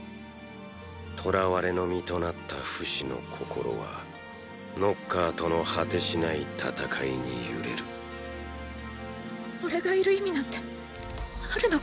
囚われの身となったフシの心はノッカーとの果てしない戦いに揺れるおれがいる意味なんてあるのか？